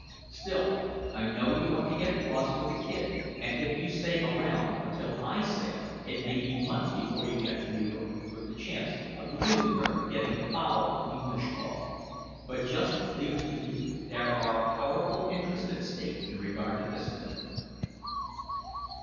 Still, I know you want to get across with the kid, and if you stay around until I sail it may be months before you get to New York, with the chance of losing her by getting foul of English law. But just leave it to me. There are powerful interests at stake in regard to this matter."